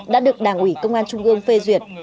đã được đảng ủy công an trung ương phê duyệt